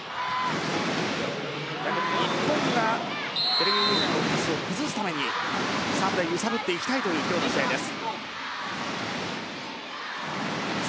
逆に日本がベルギーのディフェンスを崩すためサーブで揺さぶっていきたい今日の試合です。